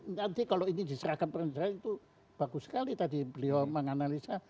nanti kalau ini diserahkan pemerintahan itu bagus sekali tadi beliau menganalisa